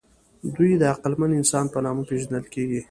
دوی د عقلمن انسان په نامه پېژندل کېږي.